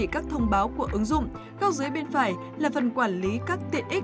cảm ơn các bạn đã theo dõi và hẹn gặp lại